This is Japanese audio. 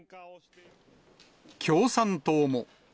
共産党も。